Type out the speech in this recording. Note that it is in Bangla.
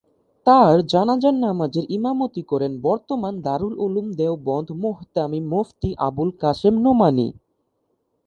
তার জানাজার নামাজের ইমামতি করেন বর্তমান দারুল উলুম দেওবন্দের মুহতামিম মুফতি আবুল কাসেম নোমানী।